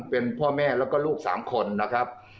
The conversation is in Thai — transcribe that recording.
เป็นพ่อแม่แล้วก็ลูก๓คนนะครับ